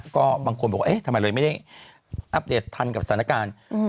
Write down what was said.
ก็บางคนบอกว่าเอ๊ะทำไมเลยไม่ได้อัปเดตทันกับสถานการณ์